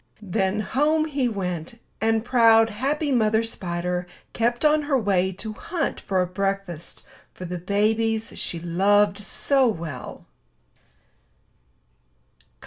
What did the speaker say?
Then home he went; and proud, happy Mother Spider kept on her way to hunt for a breakfast for the babies she loved so well.